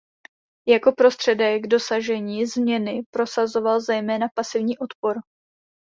Jako prostředek dosažení změny prosazoval zejména pasivní odpor.